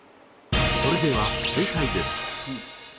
それでは正解です。